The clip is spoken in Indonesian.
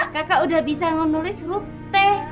kakak udah bisa nulis huruf t